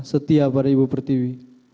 setia pada ibu pertiwi